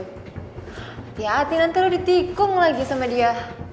hati hati nanti lu ditikung lagi sama dia